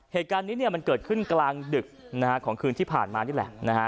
เหตุการณ์นี้เนี่ยมันเกิดขึ้นกลางดึกนะฮะของคืนที่ผ่านมานี่แหละนะฮะ